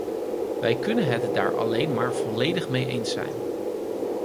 Wij kunnen het daar alleen maar volledig mee eens zijn.